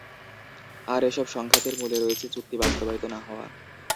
আর এসব সংঘাতের মূলে রয়েছে চুক্তি বাস্তবায়িত না হওয়া।